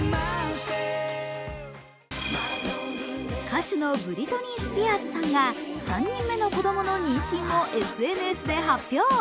歌手のブリトニー・スピアーズさんが３人目の子供の妊娠をＳＮＳで発表。